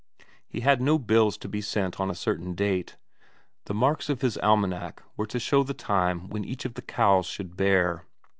He had no bills to be met on a certain date; the marks on his almanac were to show the time when each of the cows should bear.